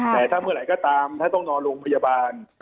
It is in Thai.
แต่ถ้าเมื่อไหร่ก็ตามถ้าต้องนอนโรงพยาบาล